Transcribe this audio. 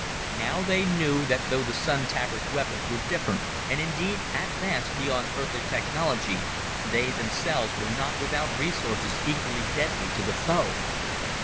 Now they knew that though the Sun tappers' weapons were different and indeed advanced beyond Earthly technology, they themselves were not without resources equally deadly to the foe.